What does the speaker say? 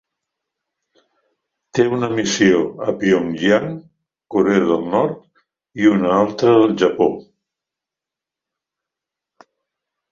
Té una missió a Pyongyang, Corea del Nord i una altra al Japó.